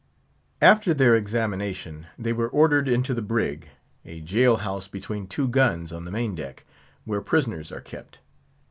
After their examination they were ordered into the "brig," a jail house between two guns on the main deck, where prisoners are kept.